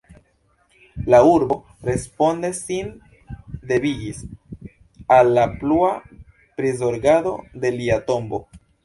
La urbo responde sin devigis al la plua prizorgado de lia tombo.